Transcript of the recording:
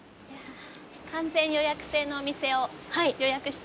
完全予約制のお店を予約しております。